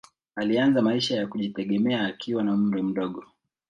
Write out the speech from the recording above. Alianza maisha ya kujitegemea akiwa na umri mdogo.